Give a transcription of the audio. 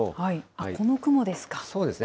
この雲ですか。